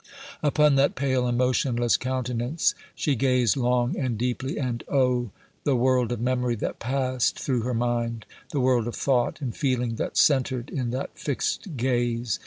Upon that pale and motionless countenance she gazed long and deeply, and, oh! the world of memory that passed through her mind! the world of thought and feeling that centred in that fixed gaze!